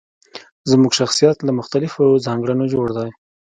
زموږ شخصيت له مختلفو ځانګړنو جوړ دی.